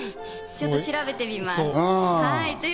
ちょっと調べてみます。